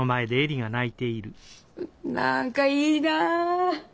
何かいいなあ！